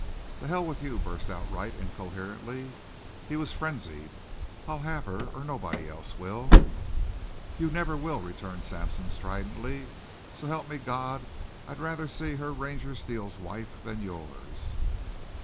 "To hell with you!" burst out Wright incoherently. He was frenzied. "I'll have her or nobody else will!" "You never will," returned Sampson stridently. "So help me God, I'd rather see her Ranger Steele's wife than yours!"